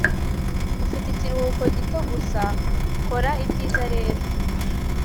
ufite ikiruhuko gito gusa, kora ibyiza rero